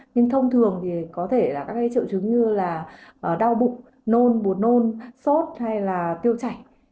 nhưng thông thường thì có thể là các triệu chứng như là đau bụng nôn bột nôn sốt hay là tiêu chảy